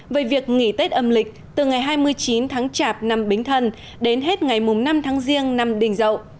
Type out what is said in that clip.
về việc nghỉ tết âm lịch từ ngày hai mươi chín tháng chạp năm bính thân đến hết ngày năm tháng riêng năm đình dậu